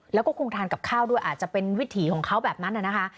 แล้วก็คงทานกับข้าวด้วยอาจจะเป็นวิถีของเขาแบบนั้นนะคะ